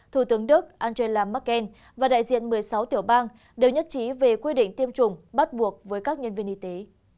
thủ tướng đức angela merkel và đại diện một mươi sáu tiểu bang đều nhất trí về quy định tiêm chủng bắt buộc với các nhân viên y tế